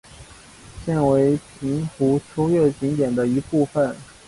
现为平湖秋月景点的一部分。